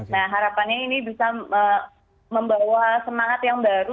nah harapannya ini bisa membawa semangat yang baru